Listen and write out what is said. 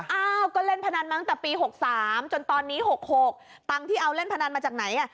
อ้าวก็เล่นพนันมาตั้งแต่ปี๖๓จนตอนนี้๖๖ตังค์ที่เอาเล่นพนันมาจากไหน